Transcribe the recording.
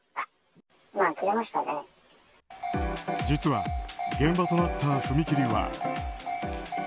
実は、現場となった踏切は。